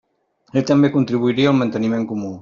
Ell també contribuiria al manteniment comú.